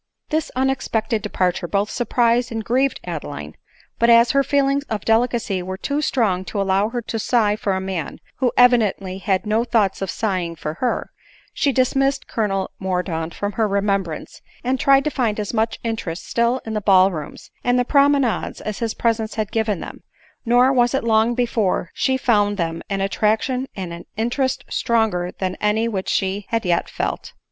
This unexpected departure both surprised and grieved Adeline, but, as her feelings of delicacy were too strong to allow her to sigh for a man, who evidently had no thoughts of sighing for her, she dismissed Colonel Mor daunt from her remembrance, and tried to find as much interest still in the ball rooms, and the promenades, as his presence had given them; nor was it long before she found in them an attraction and an interest stronger than any which she had yet felt.